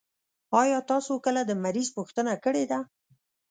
آيا تاسو کله د مريض پوښتنه کړي ده؟